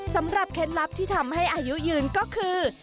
เคล็ดลับที่ทำให้อายุยืนก็คือ